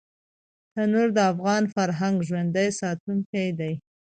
تنور د افغان فرهنګ ژوندي ساتونکی دی